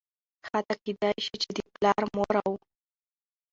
حتا کيدى شي چې د پلار ،مور او